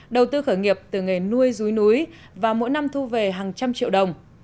đầu tư khởi nghiệp từ nghề nuôi rúi núi và mỗi năm thu về hàng trăm triệu đồng